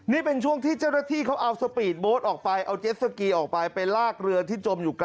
ตอนนี้นะครับเราตลางไหลไหลเรือขึ้นนะครับ